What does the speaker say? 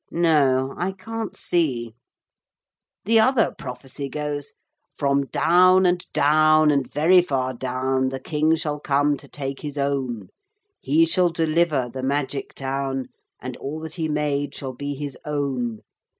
'No, I can't see. The other prophecy goes: From down and down and very far down The king shall come to take his own; He shall deliver the Magic town, And all that he made shall be his own.